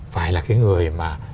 phải là cái người mà